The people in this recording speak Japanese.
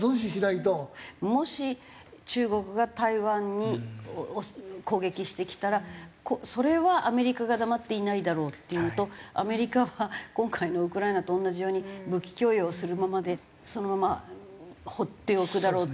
もし中国が台湾に攻撃してきたらそれはアメリカが黙っていないだろうっていうのとアメリカは今回のウクライナと同じように武器供与をするままでそのまま放っておくだろうっていう意見と。